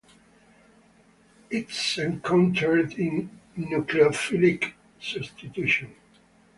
It is encountered in nucleophilic substitution.